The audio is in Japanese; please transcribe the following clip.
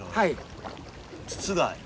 筒が。